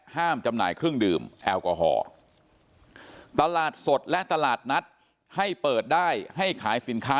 จำหน่ายเครื่องดื่มแอลกอฮอล์ตลาดสดและตลาดนัดให้เปิดได้ให้ขายสินค้า